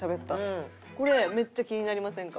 これめっちゃ気になりませんか？